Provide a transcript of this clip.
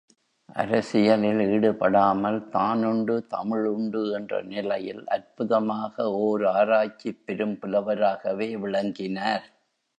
அரசியலில் ஈடுபடாமல், தானுண்டு தமிழ் உண்டு என்ற நிலையில், அற்புதமாக ஓர் ஆராய்ச்சிப் பெரும்புலவராகவே விளங்கினார்.